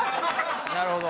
なるほど。